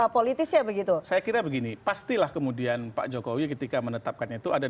politisnya begitu saya kira begini pastilah kemudian pak jokowi ketika menetapkan itu ada